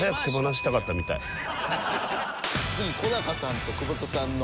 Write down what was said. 次小高さんと久保田さんの。